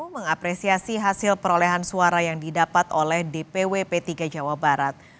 mengapresiasi hasil perolehan suara yang didapat oleh dpw p tiga jawa barat